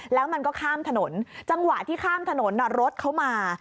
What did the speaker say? แล้วมันก็ข้ามถนนจังหวะที่ข้ามถนนรถเขามา